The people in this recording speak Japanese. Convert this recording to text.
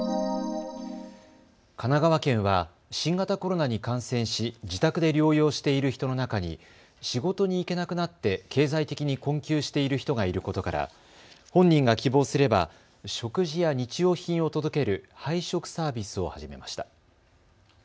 神奈川県は、新型コロナに感染し自宅で療養している人の中に仕事に行けなくなって経済的に困窮している人がいることから本人が希望すれば食事や日用品を届ける配食サービスを始めました。